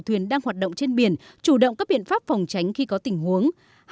thuyền đang hoạt động trên biển chủ động các biện pháp phòng tránh khi có tình huống